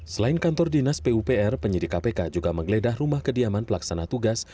selain kantor dinas pupr penyidik kpk juga menggeledah rumah kediaman pelaksana tugas